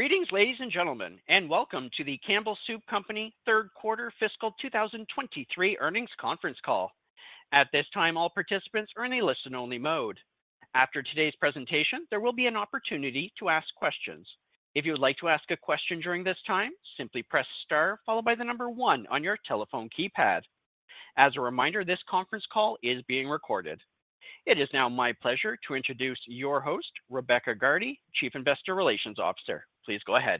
Greetings, ladies and gentlemen, and welcome to the Campbell Soup Company third quarter fiscal 2023 earnings conference call. At this time, all participants are in a listen-only mode. After today's presentation, there will be an opportunity to ask questions. If you would like to ask a question during this time, simply press star followed by 1 on your telephone keypad. As a reminder, this conference call is being recorded. It is now my pleasure to introduce your host, Rebecca Gardy, Chief Investor Relations Officer. Please go ahead.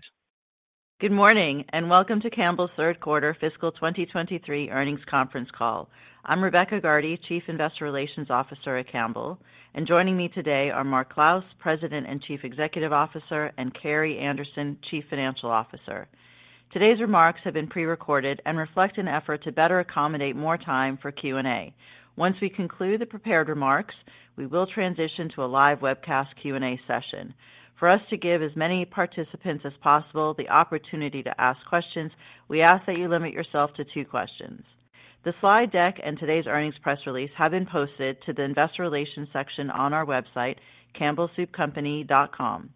Good morning, welcome to Campbell's third quarter fiscal 2023 earnings conference call. I'm Rebecca Gardy, Chief Investor Relations Officer at Campbell, and joining me today are Mark Clouse, President and Chief Executive Officer, and Carrie Anderson, Chief Financial Officer. Today's remarks have been pre-recorded and reflect an effort to better accommodate more time for Q&A. Once we conclude the prepared remarks, we will transition to a live webcast Q&A session. For us to give as many participants as possible the opportunity to ask questions, we ask that you limit yourself to two questions. The slide deck and today's earnings press release have been posted to the Investor Relations section on our website, campbellsoupcompany.com.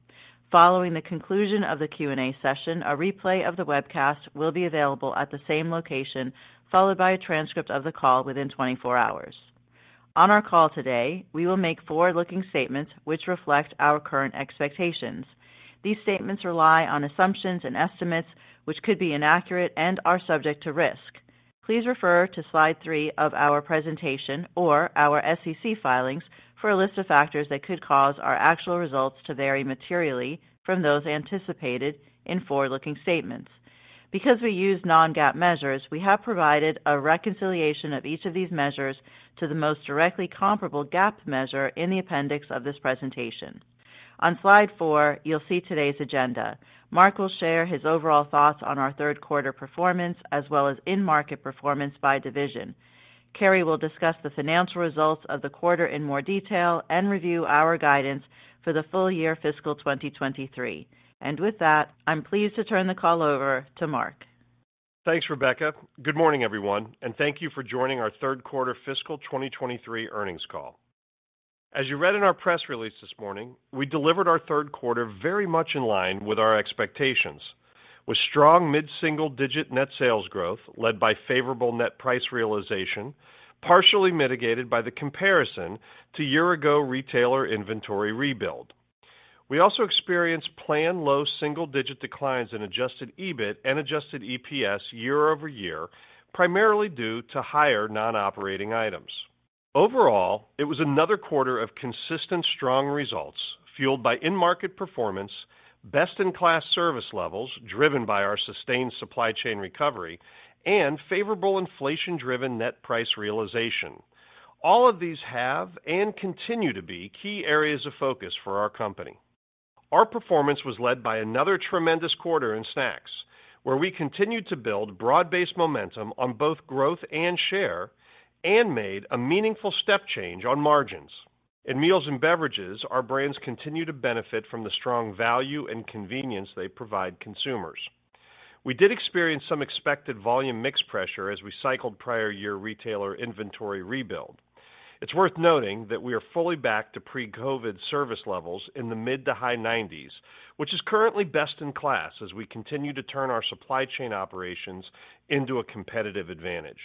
Following the conclusion of the Q&A session, a replay of the webcast will be available at the same location, followed by a transcript of the call within 24 hours. On our call today, we will make forward-looking statements which reflect our current expectations. These statements rely on assumptions and estimates, which could be inaccurate and are subject to risk. Please refer to slide 3 of our presentation or our SEC filings for a list of factors that could cause our actual results to vary materially from those anticipated in forward-looking statements. Because we use non-GAAP measures, we have provided a reconciliation of each of these measures to the most directly comparable GAAP measure in the appendix of this presentation. On Slide 4, you'll see today's agenda. Mark will share his overall thoughts on our third quarter performance, as well as in-market performance by division. Carrie will discuss the financial results of the quarter in more detail and review our guidance for the full year fiscal 2023. With that, I am pleased to turn the call over to Mark. Thanks, Rebecca. Good morning, everyone. Thank you for joining our third quarter fiscal 2023 earnings call. As you read in our press release this morning, we delivered our third quarter very much in line with our expectations, with strong mid-single-digit net sales growth led by favorable net price realization, partially mitigated by the comparison to year-ago retailer inventory rebuild. We also experienced planned low single-digit declines in Adjusted EBIT and Adjusted EPS year-over-year, primarily due to higher non-operating items. Overall, it was another quarter of consistent strong results, fueled by in-market performance, best-in-class service levels, driven by our sustained supply chain recovery and favorable inflation-driven net price realization. All of these have and continue to be key areas of focus for our company. Our performance was led by another tremendous quarter in snacks, where we continued to build broad-based momentum on both growth and share and made a meaningful step change on margins. In meals and beverages, our brands continue to benefit from the strong value and convenience they provide consumers. We did experience some expected volume mix pressure as we cycled prior year retailer inventory rebuild. It's worth noting that we are fully back to pre-COVID service levels in the mid-to-high 90s, which is currently best in class as we continue to turn our supply chain operations into a competitive advantage.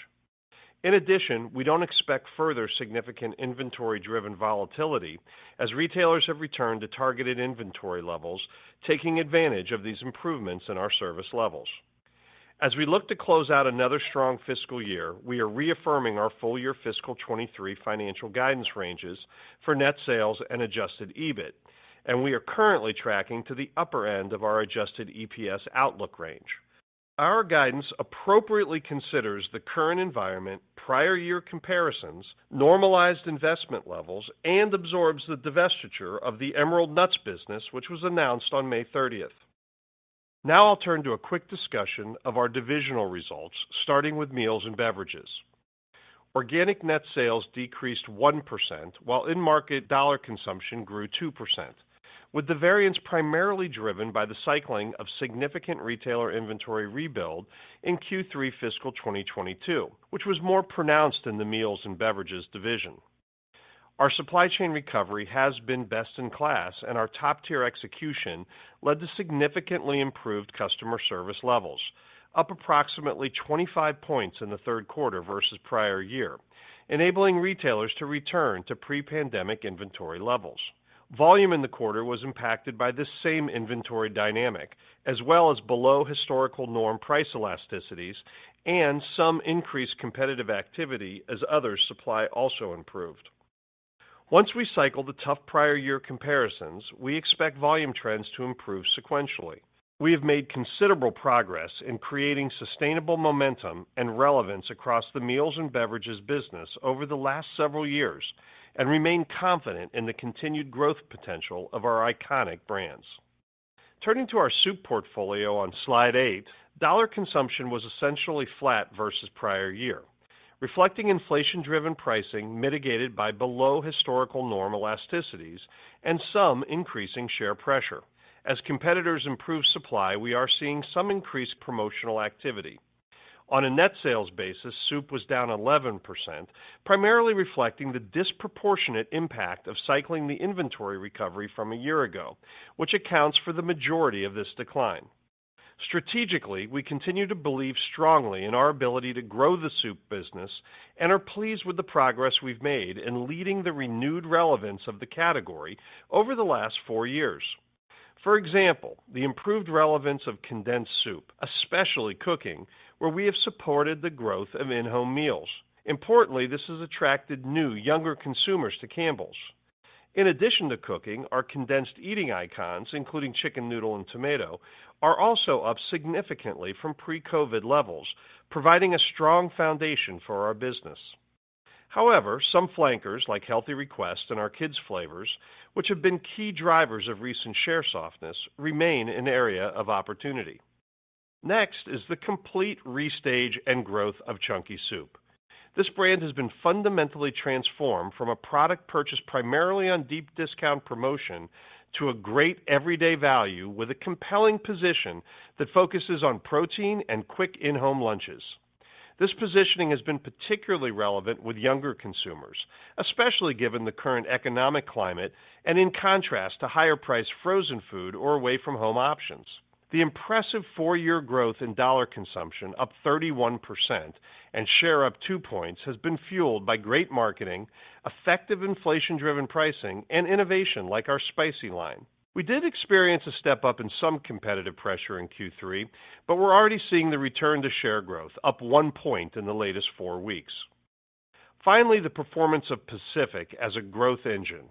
In addition, we don't expect further significant inventory-driven volatility as retailers have returned to targeted inventory levels, taking advantage of these improvements in our service levels. As we look to close out another strong fiscal year, we are reaffirming our full-year fiscal 2023 financial guidance ranges for net sales and Adjusted EBIT. We are currently tracking to the upper end of our Adjusted EPS outlook range. Our guidance appropriately considers the current environment, prior year comparisons, normalized investment levels, and absorbs the divestiture of the Emerald Nuts business, which was announced on May 30th. I'll turn to a quick discussion of our divisional results, starting with meals and beverages. Organic net sales decreased 1%, while in-market dollar consumption grew 2%, with the variance primarily driven by the cycling of significant retailer inventory rebuild in Q3 fiscal 2022, which was more pronounced in the meals and beverages division. Our supply chain recovery has been best in class, and our top-tier execution led to significantly improved customer service levels, up approximately 25 points in the third quarter versus prior year, enabling retailers to return to pre-pandemic inventory levels. Volume in the quarter was impacted by this same inventory dynamic, as well as below historical norm price elasticities and some increased competitive activity as other supply also improved. Once we cycle the tough prior year comparisons, we expect volume trends to improve sequentially. We have made considerable progress in creating sustainable momentum and relevance across the meals and beverages business over the last several years and remain confident in the continued growth potential of our iconic brands. Turning to our soup portfolio on Slide eight, dollar consumption was essentially flat versus prior year, reflecting inflation-driven pricing mitigated by below historical norm elasticities and some increasing share pressure. As competitors improve supply, we are seeing some increased promotional activity. On a net sales basis, soup was down 11%, primarily reflecting the disproportionate impact of cycling the inventory recovery from a year ago, which accounts for the majority of this decline. Strategically, we continue to believe strongly in our ability to grow the soup business and are pleased with the progress we've made in leading the renewed relevance of the category over the last four years. For example, the improved relevance of condensed soup, especially cooking, where we have supported the growth of in-home meals. Importantly, this has attracted new, younger consumers to Campbell's. In addition to cooking, our condensed eating icons, including chicken noodle and tomato, are also up significantly from pre-COVID levels, providing a strong foundation for our business. However, some flankers, like Healthy Request and our Kids flavors, which have been key drivers of recent share softness, remain an area of opportunity. Next is the complete restage and growth of Chunky Soup. This brand has been fundamentally transformed from a product purchased primarily on deep discount promotion to a great everyday value with a compelling position that focuses on protein and quick in-home lunches. This positioning has been particularly relevant with younger consumers, especially given the current economic climate and in contrast to higher-priced frozen food or away-from-home options. The impressive four-year growth in dollar consumption, up 31% and share up 2 points, has been fueled by great marketing, effective inflation-driven pricing, and innovation, like our spicy line. We did experience a step up in some competitive pressure in Q3, but we're already seeing the return to share growth, up 1 point in the latest four weeks. Finally, the performance of Pacific as a growth engine.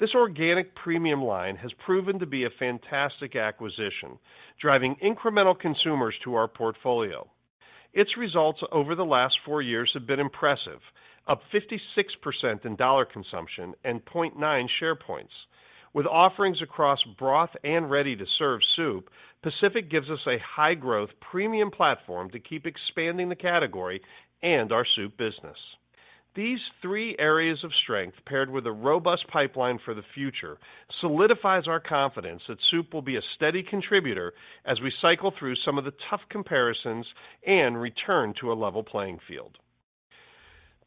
This organic premium line has proven to be a fantastic acquisition, driving incremental consumers to our portfolio. Its results over the last four years have been impressive, up 56% in dollar consumption and 0.9 share points. With offerings across broth and ready-to-serve soup, Pacific gives us a high-growth, premium platform to keep expanding the category and our soup business. These three areas of strength, paired with a robust pipeline for the future, solidifies our confidence that soup will be a steady contributor as we cycle through some of the tough comparisons and return to a level playing field.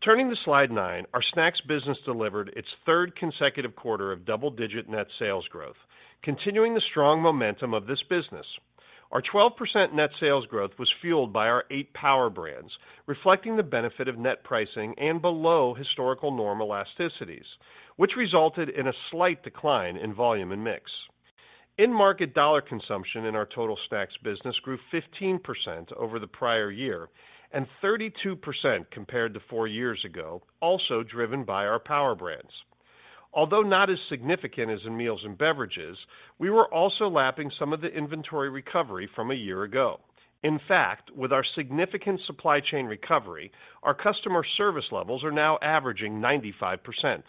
Turning to slide 9, our snacks business delivered its third consecutive quarter of double-digit net sales growth, continuing the strong momentum of this business. Our 12% net sales growth was fueled by our eight Power Brands, reflecting the benefit of net pricing and below historical norm elasticities, which resulted in a slight decline in volume and mix. In-market dollar consumption in our total snacks business grew 15% over the prior year and 32% compared to 4 years ago, also driven by our Power Brands. Not as significant as in meals and beverages, we were also lapping some of the inventory recovery from 1 year ago. In fact, with our significant supply chain recovery, our customer service levels are now averaging 95%.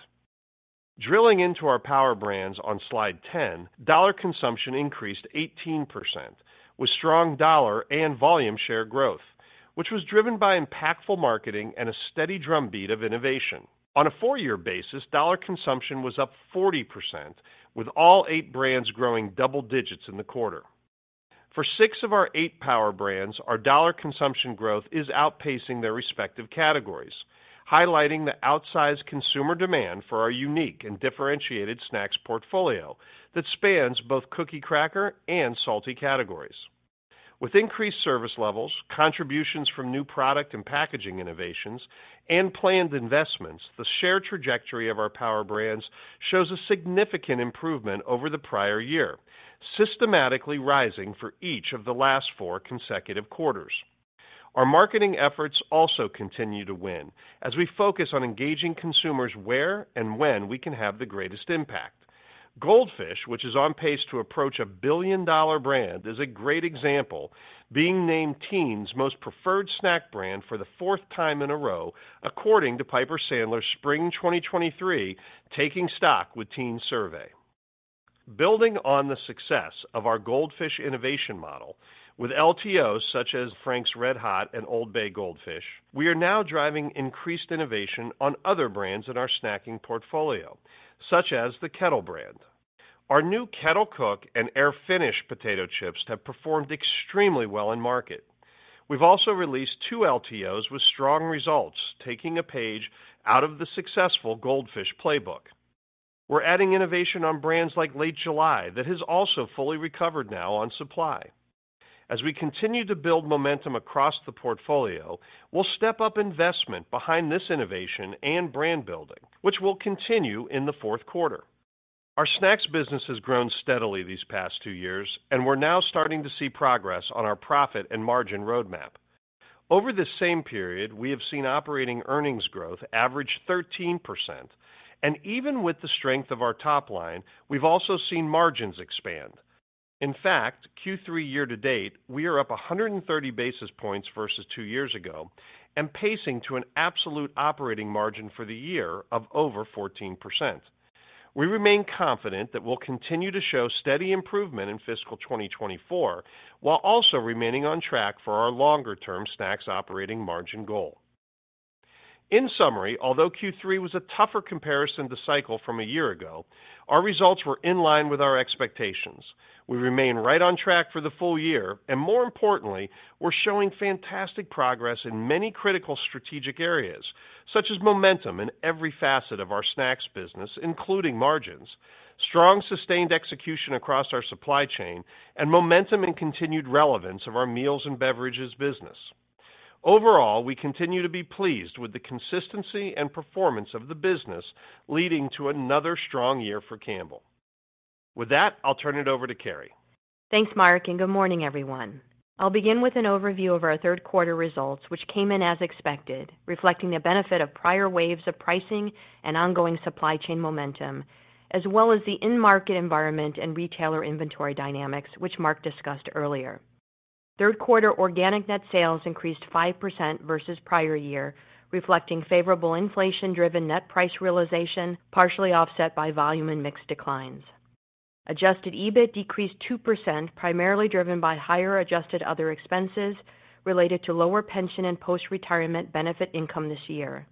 Drilling into our Power Brands on Slide 10, dollar consumption increased 18%, with strong dollar and volume share growth, which was driven by impactful marketing and a steady drumbeat of innovation. On a four-year basis, dollar consumption was up 40%, with all eight brands growing double digits in the quarter. For six of our eight Power Brands, our dollar consumption growth is outpacing their respective categories, highlighting the outsized consumer demand for our unique and differentiated snacks portfolio that spans both cookie, cracker, and salty categories. With increased service levels, contributions from new product and packaging innovations, and planned investments, the share trajectory of our Power Brands shows a significant improvement over the prior year, systematically rising for each of the last four consecutive quarters. Our marketing efforts also continue to win as we focus on engaging consumers where and when we can have the greatest impact. Goldfish, which is on pace to approach a billion-dollar brand, is a great example, being named Teens' Most Preferred Snack Brand for the fourth time in a row, according to Piper Sandler's Spring 2023 Taking Stock with Teens survey. Building on the success of our Goldfish innovation model with LTOs, such as Frank's RedHot and OLD BAY Goldfish, we are now driving increased innovation on other brands in our snacking portfolio, such as the Kettle Brand. Our new Kettle Cook and Air Finished potato chips have performed extremely well in market. We've also released two LTOs with strong results, taking a page out of the successful Goldfish playbook. We're adding innovation on brands like Late July that has also fully recovered now on supply. As we continue to build momentum across the portfolio, we'll step up investment behind this innovation and brand building, which will continue in the fourth quarter. Our snacks business has grown steadily these past two years, we're now starting to see progress on our profit and margin roadmap. Over this same period, we have seen operating earnings growth average 13%, even with the strength of our top line, we've also seen margins expand. In fact, Q3 year to date, we are up 130 basis points versus two years ago and pacing to an absolute operating margin for the year of over 14%. We remain confident that we'll continue to show steady improvement in fiscal 2024, while also remaining on track for our longer-term snacks operating margin goal. In summary, although Q3 was a tougher comparison to cycle from a year ago, our results were in line with our expectations. We remain right on track for the full year, and more importantly, we're showing fantastic progress in many critical strategic areas, such as momentum in every facet of our snacks business, including margins, strong, sustained execution across our supply chain, and momentum and continued relevance of our meals and beverages business. Overall, we continue to be pleased with the consistency and performance of the business, leading to another strong year for Campbell. With that, I'll turn it over to Carrie. Thanks, Mark. Good morning, everyone. I'll begin with an overview of our third quarter results, which came in as expected, reflecting the benefit of prior waves of pricing and ongoing supply chain momentum, as well as the in-market environment and retailer inventory dynamics, which Mark discussed earlier. Third quarter organic net sales increased 5% versus prior year, reflecting favorable inflation-driven net price realization, partially offset by volume and mix declines. Adjusted EBIT decreased 2%, primarily driven by higher adjusted other expenses related to lower pension and post-retirement benefit income this year.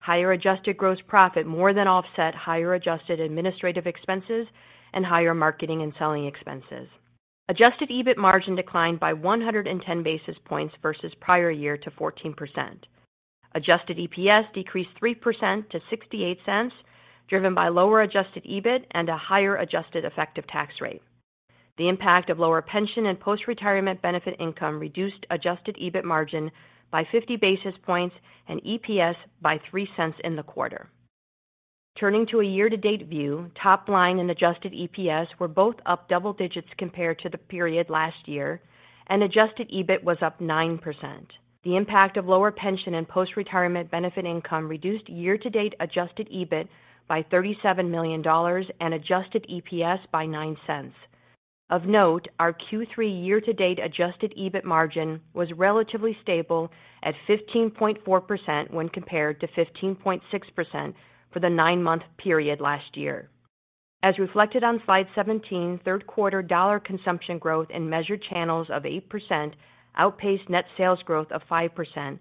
Higher adjusted gross profit more than offset higher adjusted administrative expenses and higher marketing and selling expenses. Adjusted EBIT margin declined by 110 basis points versus prior year to 14%. Adjusted EPS decreased 3% to $0.68, driven by lower Adjusted EBIT and a higher adjusted effective tax rate. The impact of lower pension and post-retirement benefit income reduced Adjusted EBIT margin by 50 basis points and EPS by $0.03 in the quarter. Turning to a year-to-date view, top line and Adjusted EPS were both up double digits compared to the period last year, and Adjusted EBIT was up 9%. The impact of lower pension and post-retirement benefit income reduced year-to-date Adjusted EBIT by $37 million and Adjusted EPS by $0.09. Of note, our Q3 year-to-date Adjusted EBIT margin was relatively stable at 15.4% when compared to 15.6% for the nine-month period last year. As reflected on Slide 17, third quarter dollar consumption growth in measured channels of 8% outpaced net sales growth of 5%,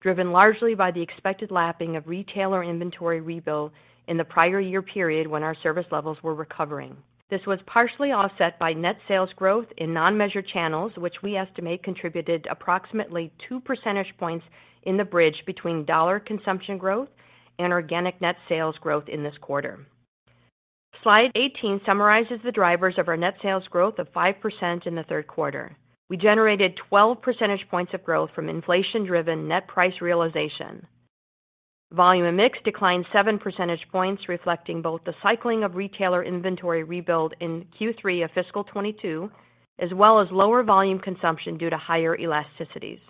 driven largely by the expected lapping of retailer inventory rebuild in the prior year period when our service levels were recovering. This was partially offset by net sales growth in non-measured channels, which we estimate contributed approximately 2 percentage points in the bridge between dollar consumption growth and organic net sales growth in this quarter. Slide 18 summarizes the drivers of our net sales growth of 5% in the third quarter. We generated 12 percentage points of growth from inflation-driven net price realization. Volume and mix declined 7 percentage points, reflecting both the cycling of retailer inventory rebuild in Q3 of fiscal 2022, as well as lower volume consumption due to higher elasticities.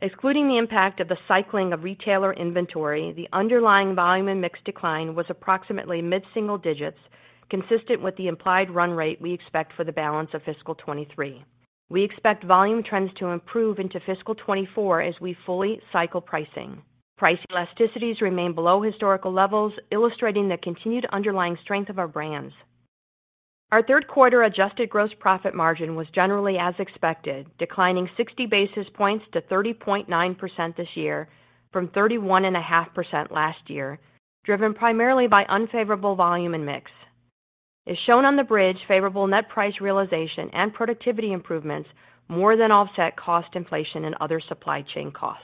Excluding the impact of the cycling of retailer inventory, the underlying volume and mix decline was approximately mid-single digits, consistent with the implied run rate we expect for the balance of fiscal 2023. We expect volume trends to improve into fiscal 2024 as we fully cycle pricing. Price elasticities remain below historical levels, illustrating the continued underlying strength of our brands. Our third quarter adjusted gross profit margin was generally as expected, declining 60 basis points to 30.9% this year from 31 and a half percent last year, driven primarily by unfavorable volume and mix. As shown on the bridge, favorable net price realization and productivity improvements more than offset cost inflation and other supply chain costs.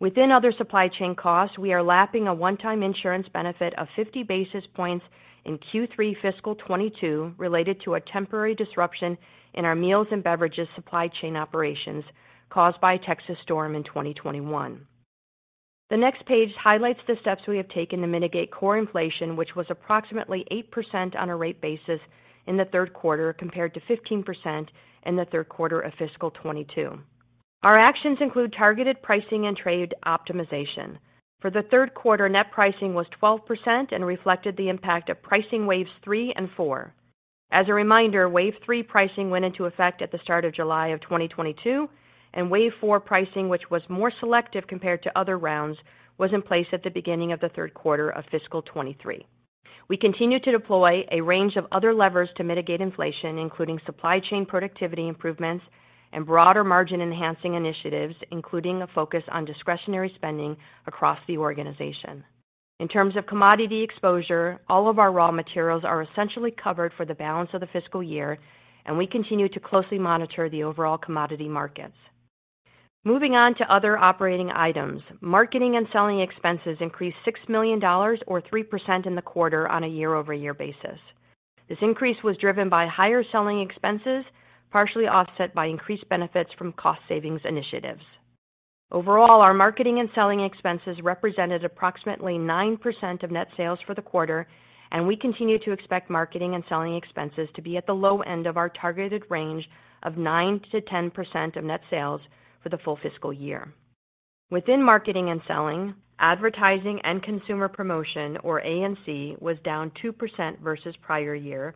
Within other supply chain costs, we are lapping a one-time insurance benefit of 50 basis points in Q3 fiscal 2022, related to a temporary disruption in our meals and beverages supply chain operations caused by a Texas storm in 2021. The next page highlights the steps we have taken to mitigate core inflation, which was approximately 8% on a rate basis in the third quarter, compared to 15% in the third quarter of fiscal 2022. Our actions include targeted pricing and trade optimization. For the third quarter, net pricing was 12% and reflected the impact of pricing waves three and four. As a reminder, wave three pricing went into effect at the start of July of 2022, and wave four pricing, which was more selective compared to other rounds, was in place at the beginning of the third quarter of fiscal 2023. We continue to deploy a range of other levers to mitigate inflation, including supply chain productivity improvements and broader margin-enhancing initiatives, including a focus on discretionary spending across the organization. In terms of commodity exposure, all of our raw materials are essentially covered for the balance of the fiscal year, and we continue to closely monitor the overall commodity markets. Moving on to other operating items, marketing and selling expenses increased $6 million or 3% in the quarter on a year-over-year basis. This increase was driven by higher selling expenses, partially offset by increased benefits from cost savings initiatives. Overall, our marketing and selling expenses represented approximately 9% of net sales for the quarter, and we continue to expect marketing and selling expenses to be at the low end of our targeted range of 9%-10% of net sales for the full fiscal year. Within marketing and selling, advertising and consumer promotion, or A&C, was down 2% versus prior year,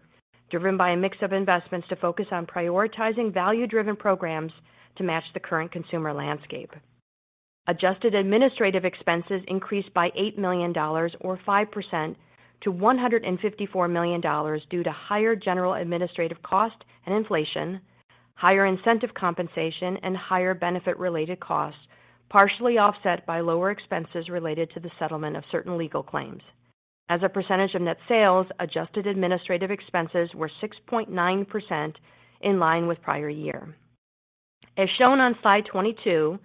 driven by a mix of investments to focus on prioritizing value-driven programs to match the current consumer landscape. Adjusted administrative expenses increased by $8 million or 5% to $154 million due to higher general administrative cost and inflation. Higher incentive compensation and higher benefit-related costs, partially offset by lower expenses related to the settlement of certain legal claims. As a percentage of net sales, adjusted administrative expenses were 6.9%, in line with prior year. As shown on slide 22,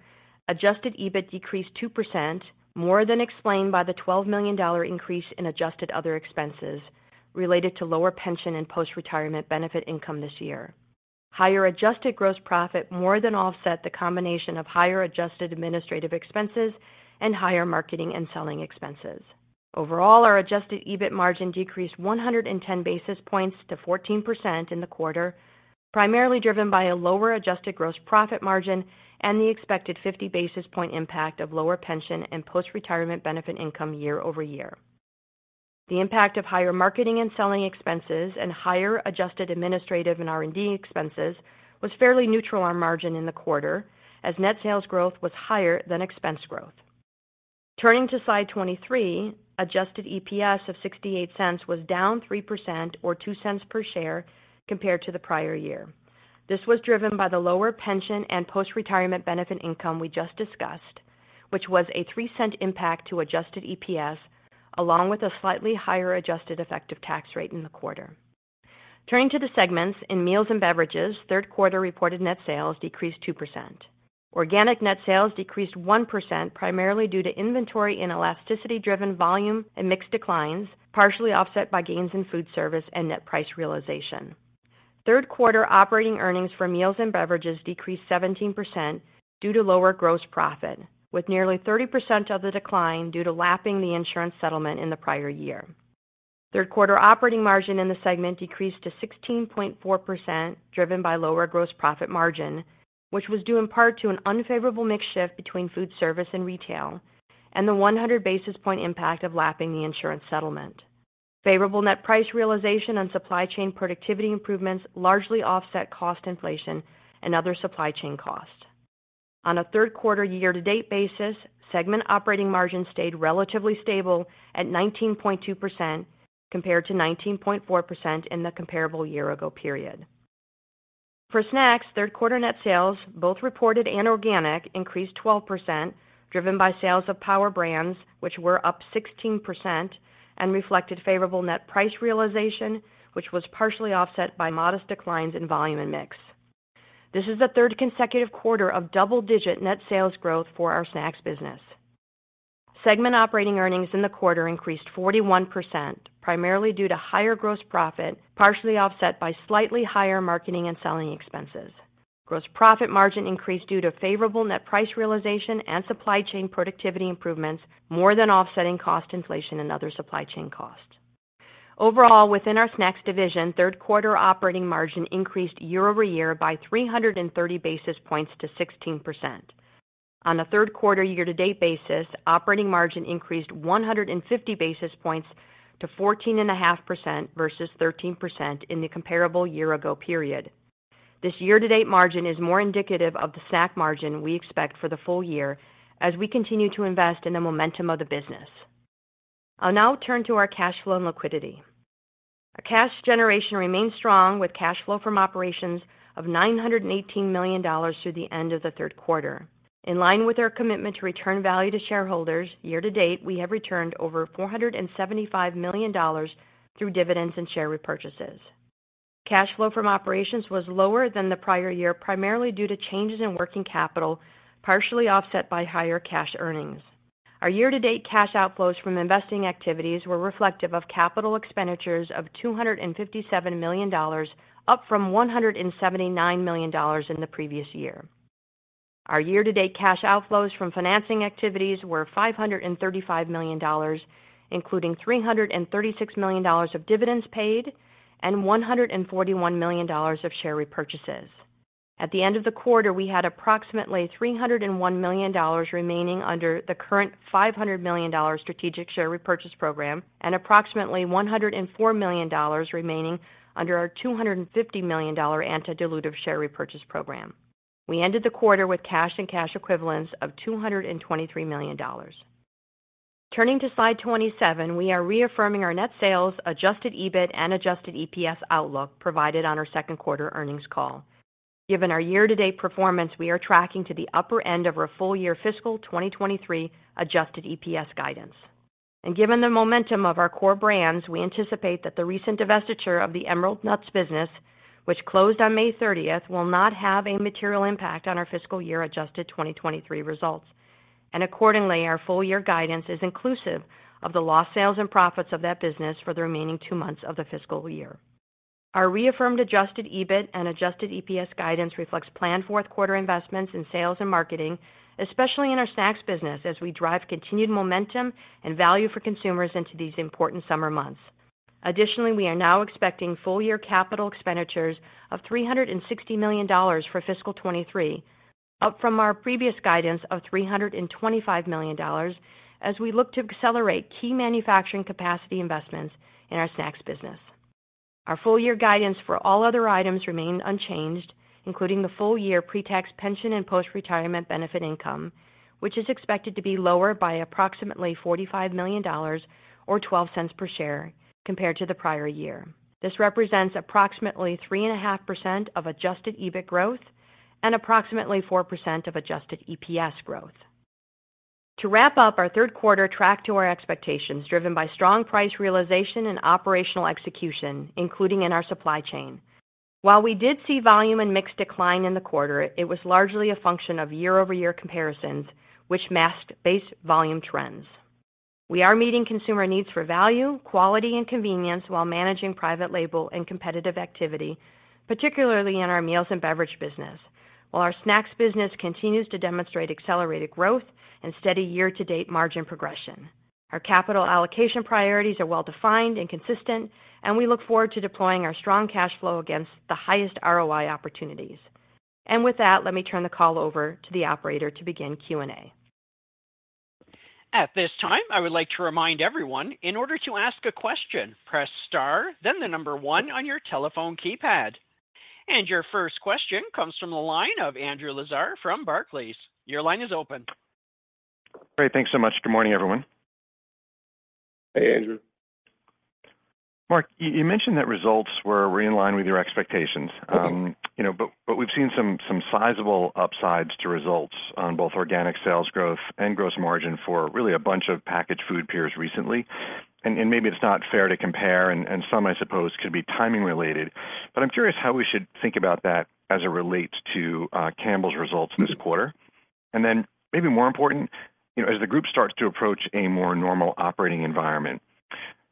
Adjusted EBIT decreased 2%, more than explained by the $12 million increase in adjusted other expenses related to lower pension and post-retirement benefit income this year. Higher adjusted gross profit more than offset the combination of higher adjusted administrative expenses and higher marketing and selling expenses. Overall, our Adjusted EBIT margin decreased 110 basis points to 14% in the quarter, primarily driven by a lower adjusted gross profit margin and the expected 50 basis point impact of lower pension and post-retirement benefit income year-over-year. The impact of higher marketing and selling expenses and higher adjusted administrative and R&D expenses was fairly neutral on margin in the quarter as net sales growth was higher than expense growth. Turning to slide 23, Adjusted EPS of $0.68 was down 3% or $0.02 per share compared to the prior year. This was driven by the lower pension and post-retirement benefit income we just discussed, which was a $0.03 impact to Adjusted EPS, along with a slightly higher adjusted effective tax rate in the quarter. Turning to the segments, in Meals and Beverages, third quarter reported net sales decreased 2%. Organic net sales decreased 1%, primarily due to inventory and elasticity-driven volume and mix declines, partially offset by gains in food service and net price realization. Third quarter operating earnings for Meals and Beverages decreased 17% due to lower gross profit, with nearly 30% of the decline due to lapping the insurance settlement in the prior year. Third quarter operating margin in the segment decreased to 16.4%, driven by lower gross profit margin, which was due in part to an unfavorable mix shift between food service and retail, and the 100 basis point impact of lapping the insurance settlement. Favorable net price realization and supply chain productivity improvements largely offset cost inflation and other supply chain costs. On a third quarter year-to-date basis, segment operating margin stayed relatively stable at 19.2%, compared to 19.4% in the comparable year ago period. For Snacks, third quarter net sales, both reported and organic, increased 12%, driven by sales of Power Brands, which were up 16% and reflected favorable net price realization, which was partially offset by modest declines in volume and mix. This is the third consecutive quarter of double-digit net sales growth for our Snacks business. Segment operating earnings in the quarter increased 41%, primarily due to higher gross profit, partially offset by slightly higher marketing and selling expenses. Gross profit margin increased due to favorable net price realization and supply chain productivity improvements, more than offsetting cost inflation and other supply chain costs. Overall, within our Snacks division, third quarter operating margin increased year-over-year by 330 basis points to 16%. On a third quarter year-to-date basis, operating margin increased 150 basis points to 14.5% versus 13% in the comparable year-ago period. This year-to-date margin is more indicative of the Snack margin we expect for the full year as we continue to invest in the momentum of the business. I'll now turn to our cash flow and liquidity. Our cash generation remains strong, with cash flow from operations of $918 million through the end of the third quarter. In line with our commitment to return value to shareholders, year-to-date, we have returned over $475 million through dividends and share repurchases. Cash flow from operations was lower than the prior year, primarily due to changes in working capital, partially offset by higher cash earnings. Our year-to-date cash outflows from investing activities were reflective of capital expenditures of $257 million, up from $179 million in the previous year. Our year-to-date cash outflows from financing activities were $535 million, including $336 million of dividends paid and $141 million of share repurchases. At the end of the quarter, we had approximately $301 million remaining under the current $500 million strategic share repurchase program and approximately $104 million remaining under our $250 million anti-dilutive share repurchase program. We ended the quarter with cash and cash equivalents of $223 million. Turning to Slide 27, we are reaffirming our net sales, Adjusted EBIT and Adjusted EPS outlook provided on our second quarter earnings call. Given our year-to-date performance, we are tracking to the upper end of our full-year fiscal 2023 Adjusted EPS guidance. Given the momentum of our core brands, we anticipate that the recent divestiture of the Emerald Nuts business, which closed on May 30th, will not have a material impact on our fiscal year adjusted 2023 results. Accordingly, our full year guidance is inclusive of the lost sales and profits of that business for the remaining two months of the fiscal year. Our reaffirmed Adjusted EBIT and Adjusted EPS guidance reflects planned fourth quarter investments in sales and marketing, especially in our Snacks business, as we drive continued momentum and value for consumers into these important summer months. We are now expecting full year capital expenditures of $360 million for fiscal 2023, up from our previous guidance of $325 million as we look to accelerate key manufacturing capacity investments in our Snacks business. Our full year guidance for all other items remains unchanged, including the full year pre-tax pension and post-retirement benefit income, which is expected to be lower by approximately $45 million or $0.12 per share compared to the prior year. This represents approximately 3.5% of Adjusted EBIT growth and approximately 4% of Adjusted EPS growth. To wrap up, our third quarter tracked to our expectations, driven by strong price realization and operational execution, including in our supply chain. While we did see volume and mix decline in the quarter, it was largely a function of year-over-year comparisons, which masked base volume trends. We are meeting consumer needs for value, quality, and convenience while managing private label and competitive activity, particularly in our meals and beverage business, while our snacks business continues to demonstrate accelerated growth and steady year-to-date margin progression. Our capital allocation priorities are well-defined and consistent, and we look forward to deploying our strong cash flow against the highest ROI opportunities. With that, let me turn the call over to the operator to begin Q&A. At this time, I would like to remind everyone, in order to ask a question, press Star, then 1 on your telephone keypad. Your first question comes from the line of Andrew Lazar from Barclays. Your line is open. Great, thanks so much. Good morning, everyone. Hey, Andrew. Mark, you mentioned that results were in line with your expectations. Mm-hmm. you know, but we've seen some sizable upsides to results on both organic sales growth and gross margin for really a bunch of packaged food peers recently. Maybe it's not fair to compare, and some, I suppose, could be timing related, but I'm curious how we should think about that as it relates to Campbell's results this quarter? Mm-hmm. maybe more important, you know, as the group starts to approach a more normal operating environment,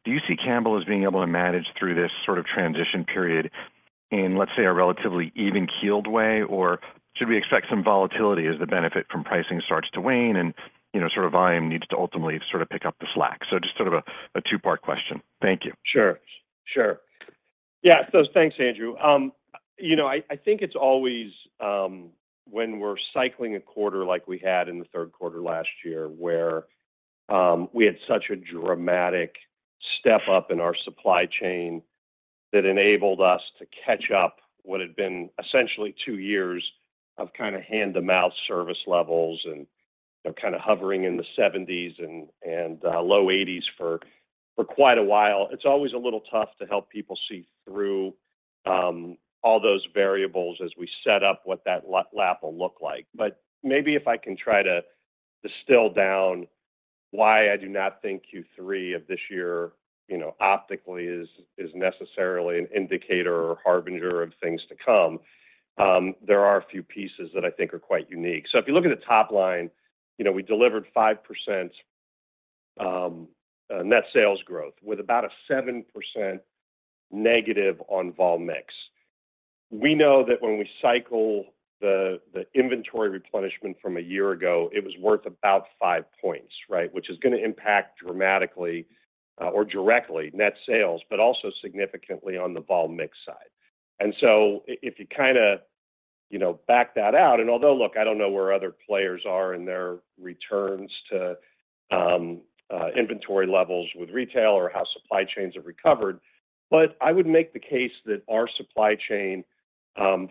do you see Campbell as being able to manage through this sort of transition period in, let's say, a relatively even-keeled way? Or should we expect some volatility as the benefit from pricing starts to wane and, you know, sort of volume needs to ultimately sort of pick up the slack? So just sort of a two-part question. Thank you. Sure. Sure. Yeah. Thanks, Andrew. You know, I think it's always, when we're cycling a quarter like we had in the third quarter last year, where we had such a dramatic step up in our supply chain that enabled us to catch up what had been essentially two years of kind of hand-to-mouth service levels and, you know, kind of hovering in the seventies and low eighties for quite a while. It's always a little tough to help people see through all those variables as we set up what that lap will look like. Maybe if I can try to distill down why I do not think Q3 of this year, you know, optically is necessarily an indicator or harbinger of things to come, there are a few pieces that I think are quite unique. If you look at the top line, you know, we delivered 5% net sales growth with about a 7% negative on vol mix. We know that when we cycle the inventory replenishment from a year ago, it was worth about 5 points, right? Which is gonna impact dramatically, or directly, net sales, but also significantly on the vol mix side. If you kinda, you know, back that out. Although, look, I don't know where other players are in their returns to inventory levels with retail or how supply chains have recovered, but I would make the case that our supply chain,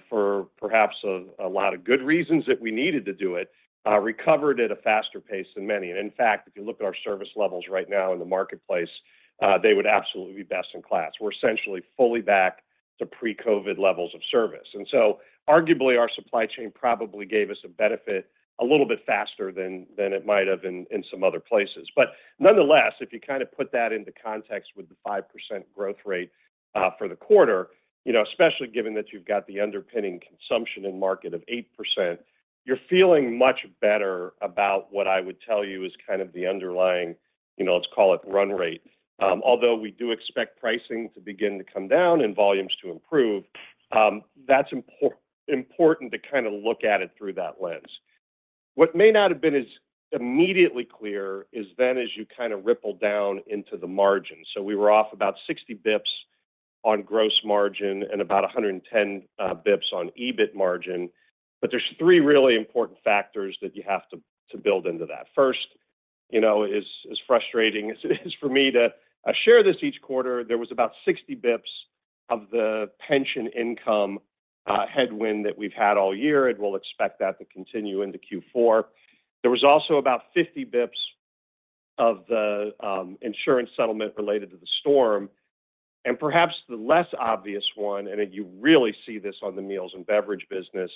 for perhaps a lot of good reasons that we needed to do it, recovered at a faster pace than many. In fact, if you look at our service levels right now in the marketplace, they would absolutely be best in class. We're essentially fully back to pre-COVID levels of service. Arguably, our supply chain probably gave us a benefit a little bit faster than it might have in some other places. Nonetheless, if you kind of put that into context with the 5% growth rate, for the quarter, you know, especially given that you've got the underpinning consumption in market of 8%, you're feeling much better about what I would tell you is kind of the underlying, you know, let's call it run rate. Although we do expect pricing to begin to come down and volumes to improve, that's important to kind of look at it through that lens. What may not have been as immediately clear is then as you kind of ripple down into the margin. We were off about 60 bps on gross margin and about 110 bps on EBIT margin. There's three really important factors that you have to build into that. First, you know, as frustrating as it is for me to share this each quarter, there was about 60 bps of the pension income headwind that we've had all year, and we'll expect that to continue into Q4. There was also about 50 bps of the insurance settlement related to the storm. Perhaps the less obvious one, and you really see this on the meals and beverage business,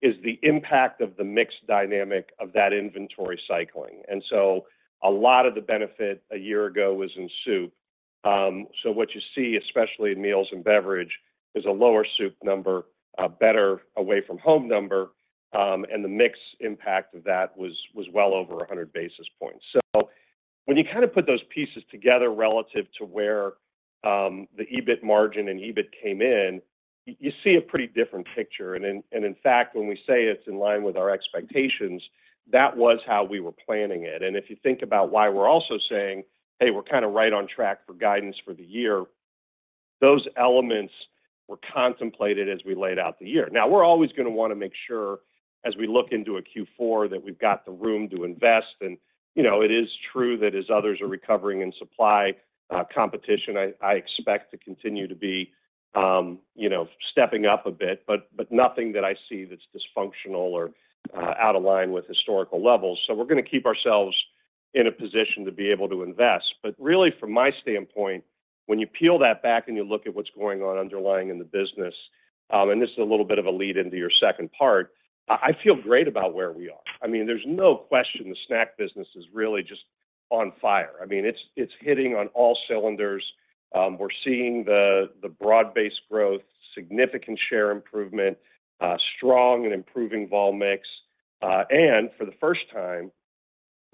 is the impact of the mix dynamic of that inventory cycling. A lot of the benefit a year ago was in soup. What you see, especially in meals and beverage, is a lower soup number, a better away from home number, and the mix impact of that was well over 100 basis points. When you kind of put those pieces together relative to where the EBIT margin and EBIT came in, you see a pretty different picture. In fact, when we say it's in line with our expectations, that was how we were planning it. If you think about why we're also saying, "Hey, we're kind of right on track for guidance for the year," those elements were contemplated as we laid out the year. Now, we're always gonna wanna make sure, as we look into a Q4, that we've got the room to invest. You know, it is true that as others are recovering in supply, competition, I expect to continue to be, you know, stepping up a bit, but nothing that I see that's dysfunctional or out of line with historical levels. We're gonna keep ourselves, in a position to be able to invest. Really, from my standpoint, when you peel that back and you look at what's going on underlying in the business, and this is a little bit of a lead into your second part, I feel great about where we are. I mean, there's no question the snack business is really just on fire. I mean, it's hitting on all cylinders. We're seeing the broad-based growth, significant share improvement, strong and improving vol mix. For the first time,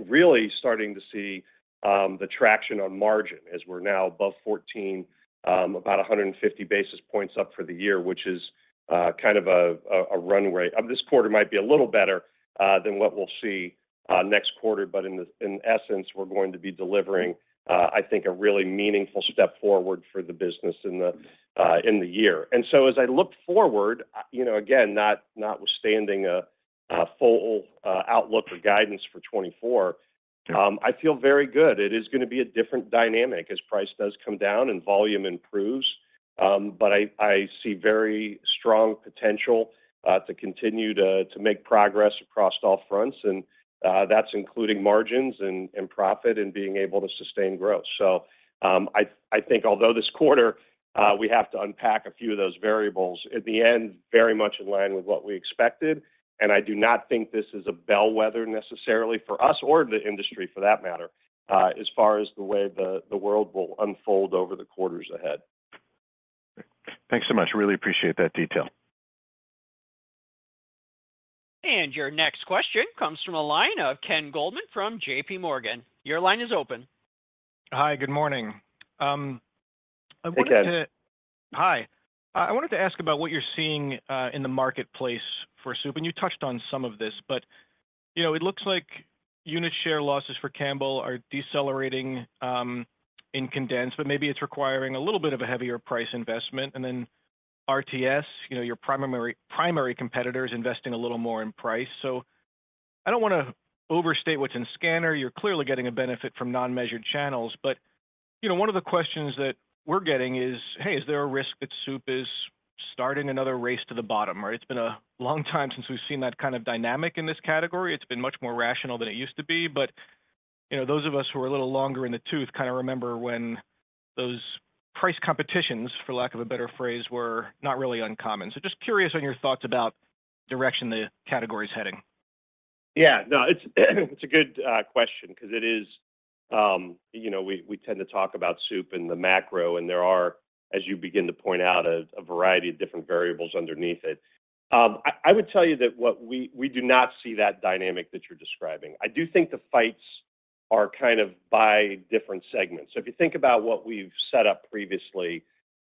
really starting to see the traction on margin as we're now above 14, about 150 basis points up for the year, which is kind of a runway. This quarter might be a little better than what we'll see next quarter, but in essence, we're going to be delivering, I think, a really meaningful step forward for the business in the year. As I look forward, you know, again, notwithstanding a full outlook or guidance for 2024, I feel very good. It is gonna be a different dynamic as price does come down and volume improves. I see very strong potential to continue to make progress across all fronts, that's including margins and profit and being able to sustain growth. I think although this quarter, we have to unpack a few of those variables, at the end, very much in line with what we expected, I do not think this is a bellwether necessarily for us or the industry, for that matter, as far as the way the world will unfold over the quarters ahead. Thanks so much. Really appreciate that detail. Your next question comes from a line of Ken Goldman from JPMorgan. Your line is open. Hi, good morning. Hey, Ken. Hi. I wanted to ask about what you're seeing in the marketplace for soup, and you touched on some of this. You know, it looks like unit share losses for Campbell are decelerating in condensed, but maybe it's requiring a little bit of a heavier price investment. Then RTS, you know, your primary competitor is investing a little more in price. I don't want to overstate what's in scanner. You're clearly getting a benefit from non-measured channels, you know, one of the questions that we're getting is, "Hey, is there a risk that soup is starting another race to the bottom?" Right? It's been a long time since we've seen that kind of dynamic in this category. It's been much more rational than it used to be. You know, those of us who are a little longer in the tooth kinda remember when those price competitions, for lack of a better phrase, were not really uncommon. Just curious on your thoughts about direction the category is heading. Yeah. No, it's a good question 'cause it is..., you know, we tend to talk about soup and the macro, and there are, as you begin to point out, a variety of different variables underneath it. I would tell you that we do not see that dynamic that you're describing. I do think the fights are kind of by different segments. If you think about what we've set up previously,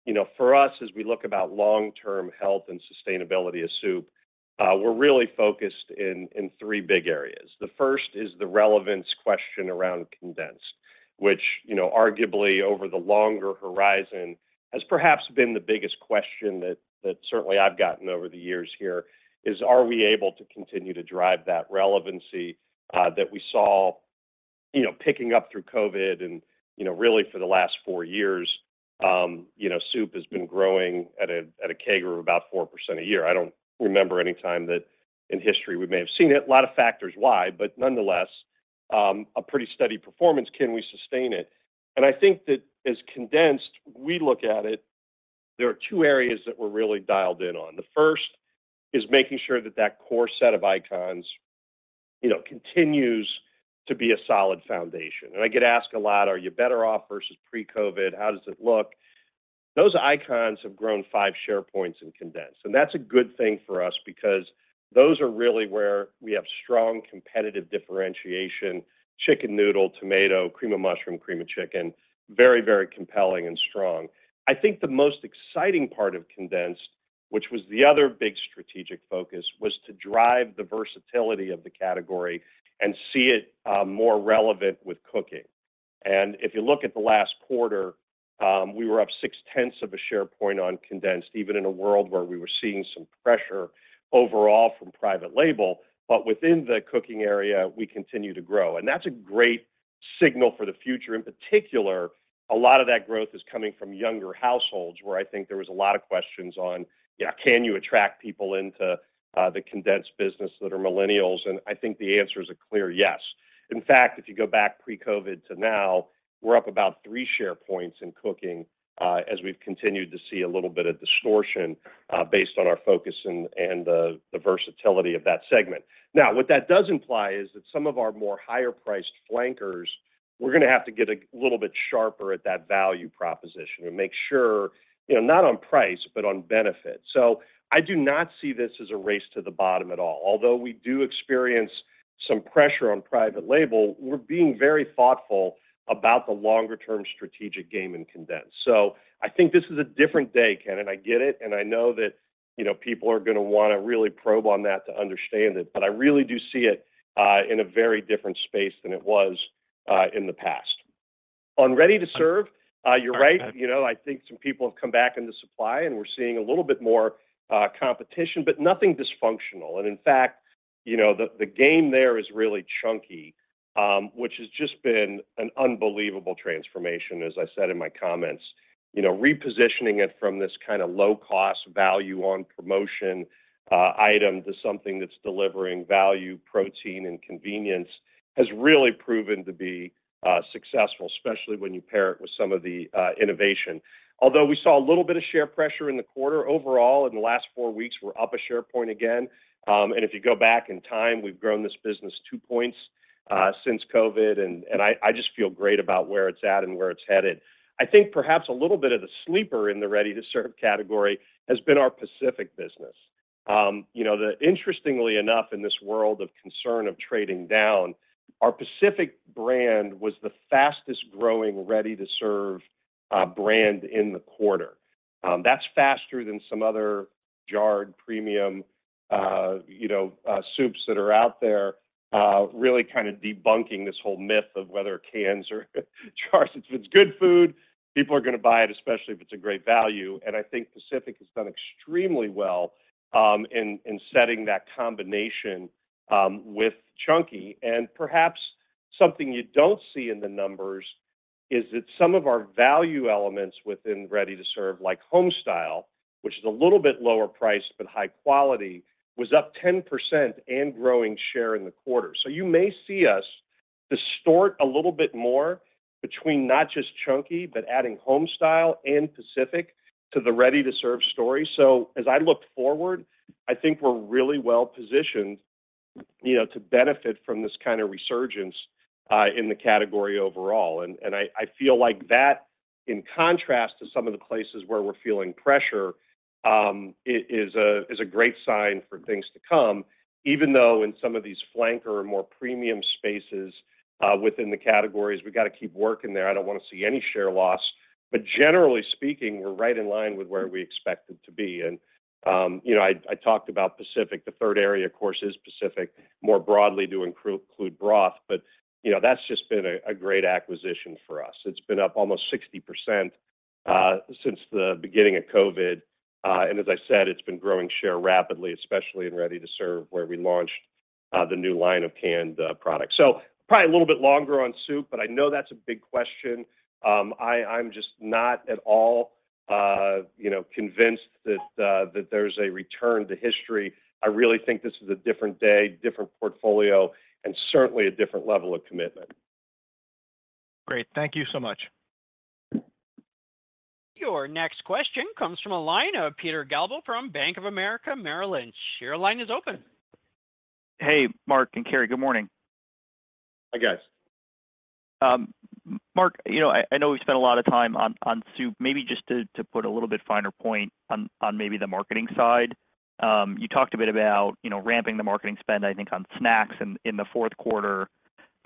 you know, for us, as we look about long-term health and sustainability of soup, we're really focused in three big areas. The first is the relevance question around condensed, which, you know, arguably over the longer horizon, has perhaps been the biggest question that certainly I've gotten over the years here, is: Are we able to continue to drive that relevancy that we saw, you know, picking up through COVID and, you know, really for the last four years? You know, soup has been growing at a CAGR of about 4% a year. I don't remember any time that in history we may have seen it. A lot of factors why, but nonetheless, a pretty steady performance. Can we sustain it? I think that as condensed, we look at it, there are two areas that we're really dialed in on. The first is making sure that that core set of icons, you know, continues to be a solid foundation. I get asked a lot, "Are you better off versus pre-COVID? How does it look?" Those icons have grown 5 share points in condensed, and that's a good thing for us because those are really where we have strong competitive differentiation: chicken noodle, tomato, cream of mushroom, cream of chicken. Very, very compelling and strong. I think the most exciting part of condensed, which was the other big strategic focus, was to drive the versatility of the category and see it more relevant with cooking. If you look at the last quarter, we were up 0.6 of a share point on condensed, even in a world where we were seeing some pressure overall from private label. Within the cooking area, we continue to grow, and that's a great signal for the future. In particular, a lot of that growth is coming from younger households, where I think there was a lot of questions on: Yeah, can you attract people into the condensed business that are millennials? I think the answer is a clear yes. If you go back pre-COVID to now, we're up about three share points in cooking, as we've continued to see a little bit of distortion, based on our focus and the versatility of that segment. What that does imply is that some of our more higher-priced flankers, we're gonna have to get a little bit sharper at that value proposition and make sure, you know, not on price, but on benefit. I do not see this as a race to the bottom at all. Although we do experience some pressure on private label, we're being very thoughtful about the longer-term strategic game in condensed. I think this is a different day, Ken, and I get it, and I know that, you know, people are gonna wanna really probe on that to understand it, but I really do see it in a very different space than it was in the past. On ready-to-serve, you're right. You know, I think some people have come back into supply, and we're seeing a little bit more competition, but nothing dysfunctional. In fact, you know, the game there is really Chunky, which has just been an unbelievable transformation, as I said in my comments. you know, repositioning it from this kind of low-cost value on promotion, item to something that's delivering value, protein, and convenience, has really proven to be successful, especially when you pair it with some of the innovation. Although we saw a little bit of share pressure in the quarter, overall, in the last 4 weeks, we're up a share point again. If you go back in time, we've grown this business 2 points since COVID, and I just feel great about where it's at and where it's headed. I think perhaps a little bit of the sleeper in the ready-to-serve category has been our Pacific business. you know, interestingly enough, in this world of concern of trading down, our Pacific brand was the fastest-growing, ready-to-serve brand in the quarter. That's faster than some other jarred premium, you know, soups that are out there, really kind of debunking this whole myth of whether cans or jars. If it's good food, people are going to buy it, especially if it's a great value, and I think Pacific Foods has done extremely well in setting that combination with Chunky. Perhaps something you don't see in the numbers is that some of our value elements within ready-to-serve, like Homestyle, which is a little bit lower priced, but high quality, was up 10% and growing share in the quarter. You may see us distort a little bit more between not just Chunky, but adding Homestyle and Pacific Foods to the ready-to-serve story. As I look forward, I think we're really well positioned, you know, to benefit from this kind of resurgence in the category overall. I feel like that, in contrast to some of the places where we're feeling pressure, it is a great sign for things to come, even though in some of these flanker or more premium spaces within the categories, we got to keep working there. I don't want to see any share loss. Generally speaking, we're right in line with where we expected to be. You know, I talked about Pacific. The third area, of course, is Pacific, more broadly to include broth, but, you know, that's just been a great acquisition for us. It's been up almost 60% since the beginning of COVID. As I said, it's been growing share rapidly, especially in ready to serve, where we launched the new line of canned products. Probably a little bit longer on soup, but I know that's a big question. I'm just not at all, you know, convinced that there's a return to history. I really think this is a different day, different portfolio, and certainly a different level of commitment. Great. Thank you so much. Your next question comes from a line of Peter Galbo from Bank of America Merrill Lynch. Your line is open. Hey, Mark and Carrie. Good morning. Hi, guys. Mark, you know, I know we've spent a lot of time on soup. Maybe just to put a little bit finer point on maybe the marketing side. You talked a bit about, you know, ramping the marketing spend, I think, on snacks in the fourth quarter.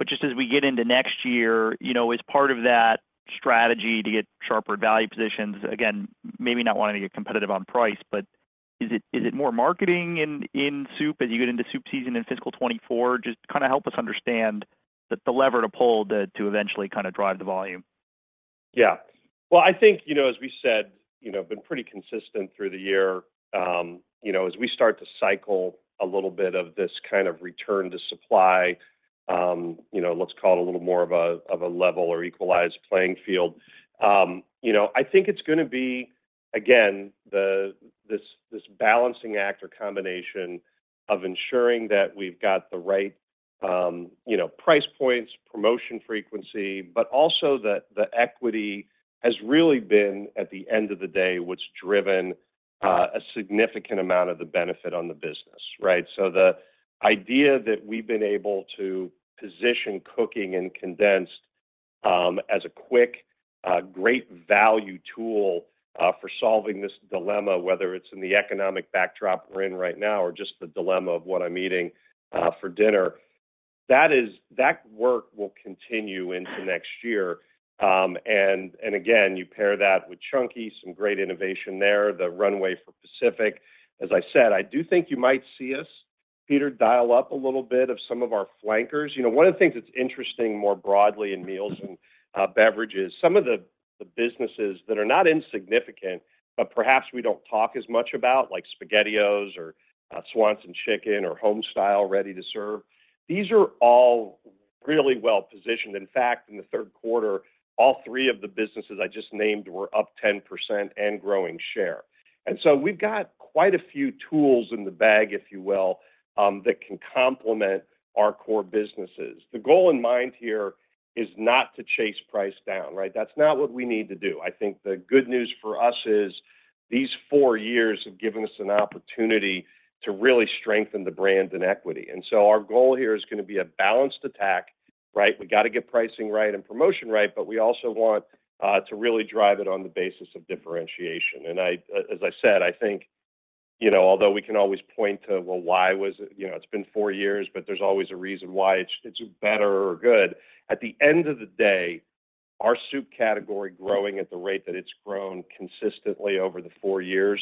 Just as we get into next year, you know, as part of that strategy to get sharper value positions, again, maybe not wanting to get competitive on price, but is it more marketing in soup as you get into soup season in fiscal 2024? Just kind of help us understand the lever to pull to eventually kind of drive the volume. Well, I think, you know, as we said, you know, been pretty consistent through the year. You know, as we start to cycle a little bit of this kind of return to supply, you know, let's call it a little more of a, of a level or equalized playing field, you know, I think it's going to be, again, the, this balancing act or combination of ensuring that we've got the right, you know, price points, promotion frequency, but also that the equity has really been, at the end of the day, what's driven, a significant amount of the benefit on the business, right? The idea that we've been able to position cooking and condensed as a quick, great value tool for solving this dilemma, whether it's in the economic backdrop we're in right now or just the dilemma of what I'm eating for dinner, that work will continue into next year. And again, you pair that with Chunky, some great innovation there, the runway for Pacific. As I said, I do think you might see us, Peter, dial up a little bit of some of our flankers. You know, one of the things that's interesting more broadly in meals and beverages, some of the businesses that are not insignificant, but perhaps we don't talk as much about, like SpaghettiOs or Swanson chicken or Homestyle ready-to-serve, these are all really well positioned. In fact, in the third quarter, all three of the businesses I just named were up 10% and growing share. We've got quite a few tools in the bag, if you will, that can complement our core businesses. The goal in mind here is not to chase price down, right? That's not what we need to do. I think the good news for us is these four years have given us an opportunity to really strengthen the brands and equity. Our goal here is gonna be a balanced attack, right? We got to get pricing right and promotion right, but we also want to really drive it on the basis of differentiation. I, as I said, I think, you know, although we can always point to, well, why was it... You know, it's been four years, but there's always a reason why it's better or good. At the end of the day, our soup category growing at the rate that it's grown consistently over the four years,